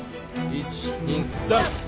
１２３！